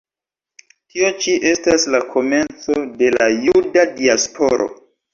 Tio ĉi estas la komenco de la Juda diasporo.